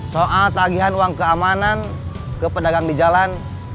soal tagihan uang keamanan ke pedagang di jalan